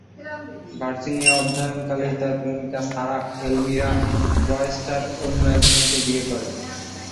ভার্জিনিয়ায় অধ্যয়নকালেই তার প্রেমিকা সারাহ এলমিরা রয়েস্টার অন্য একজনকে বিয়ে করেন।